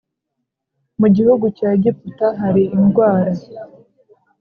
mu gihugu cya Egiputa hari indwara